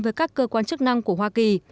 với các cơ quan chức năng của hoa kỳ